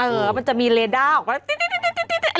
เออมันจะมีเลด้าออกไป